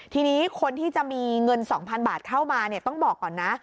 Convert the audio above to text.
ทีนี้คนที่จะมีเงิน๒๐๐๐บาทเข้ามาต้องบอกก่อนนะ